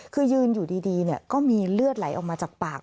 คือยืนอยู่ดีก็มีเลือดไหลออกมาจากปาก